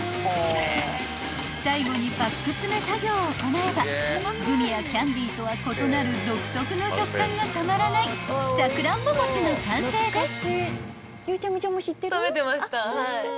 ［最後にパック詰め作業を行えばグミやキャンディーとは異なる独特の食感がたまらないさくらんぼ餅の完成です］